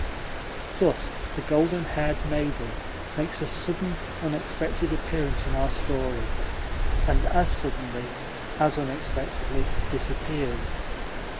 Thus the golden haired maiden makes a sudden, unexpected appearance in our story, and as suddenly, as unexpectedly, disappears.